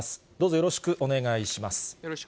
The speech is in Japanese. よろしくお願いします。